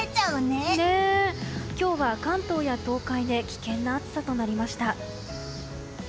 今日は、関東や東海で危険な暑さとなりました。